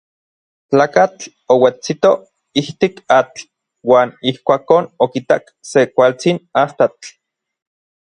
Tlakatl ouetsito ijtik atl uan ijkuakon okitak se kualtsin astatl.